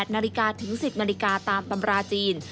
นาฬิกาถึง๑๐นาฬิกาตามตำราจีน